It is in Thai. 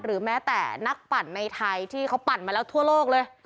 แม้แต่นักปั่นในไทยที่เขาปั่นมาแล้วทั่วโลกเลย